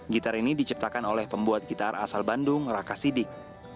gitar ini diciptakan oleh pembuat gitar asal bandung raka sidik